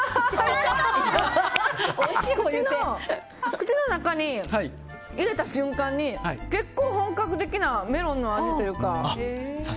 口の中に入れた瞬間に結構本格的なメロンの味というか。